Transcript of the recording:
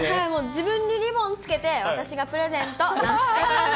自分にリボンをつけて、私がプレゼントなんつって。